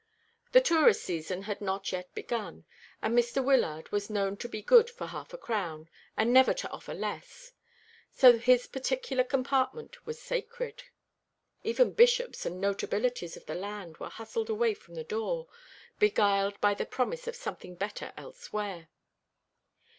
The tourist season had not yet begun, and Mr. Wyllard was known to be good for half a crown, and never to offer less; so his particular compartment was sacred. Even bishops and notabilities of the land were hustled away from the door, beguiled by the promise of something better elsewhere.